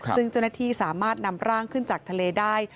ซึ่งเจ้าหน้าที่สามารถนำร่างขึ้นจากทะเลได้